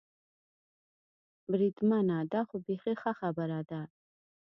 بریدمنه، دا خو بېخي ښه خبره ده.